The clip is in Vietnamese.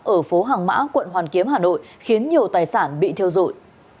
ở phố hàng mã quận hoàn kiếm hà nội khiến nhiều tài sản bị theo dụi